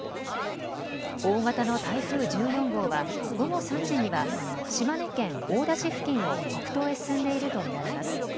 大型の台風１４号は、午後３時には、島根県おおだ市付近を北東へ進んでいると見られます。